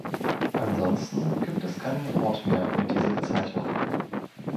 Ansonsten gibt es keinen Ort mehr mit dieser Bezeichnung.